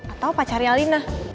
atau pacarnya alina